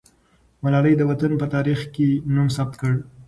ملالۍ د وطن په تاریخ کې نوم ثبت کړ.